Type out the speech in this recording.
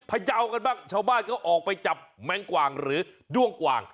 พยาวกันบ้างชาวบ้านเขาออกไปจับแมงกว่างหรือด้วงกว่าง